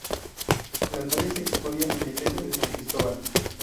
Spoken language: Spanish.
La talla se custodia en la Iglesia de San Cristóbal.